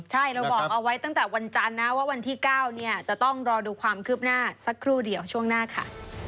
ใช่เราบอกเอาไว้ตั้งแต่วันจันทร์นะว่าวันที่๙เนี่ยจะต้องรอดูความคืบหน้าสักครู่เดียวช่วงหน้าค่ะ